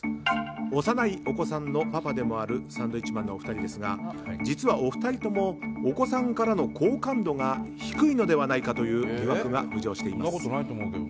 幼いお子さんのパパでもあるサンドウィッチマンのお二人ですが実は、お二人ともお子さんからの好感度が低いのではないかという疑惑が浮上しています。